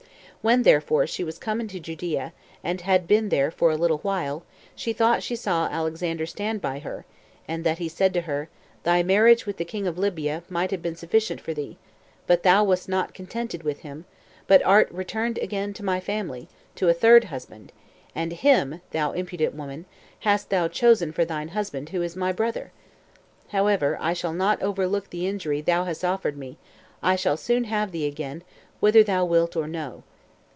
When, therefore, she was come into Judea, and had been there for a little while, she thought she saw Alexander stand by her, and that he said to her; "Thy marriage with the king of Libya might have been sufficient for thee; but thou wast not contented with him, but art returned again to my family, to a third husband; and him, thou impudent woman, hast thou chosen for thine husband, who is my brother. However, I shall not overlook the injury thou hast offered me; I shall [soon] have thee again, whether thou wilt or no."